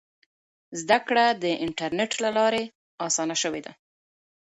زده کړه د انټرنیټ له لارې ډېره اسانه سوې ده.